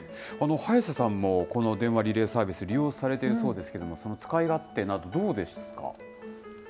早瀬さんも、この電話リレーサービス、利用されているそうですけれども、その使い勝手など、どうですか。